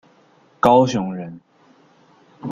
高雄人。